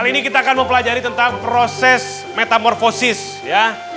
hari ini kita akan mempelajari tentang proses metamorfosis ya